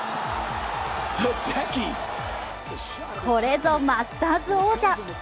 これぞマスターズ王者。